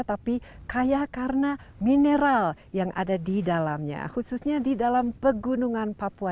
tapi kaya karena mineral yang ada di dalamnya khususnya di dalam pegunungan papua